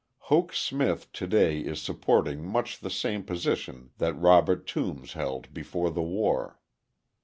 Hoke Smith to day is supporting much the same position that Robert Toombs held before the war.